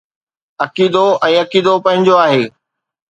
عقيدو ۽ عقيدو پنهنجو آهي.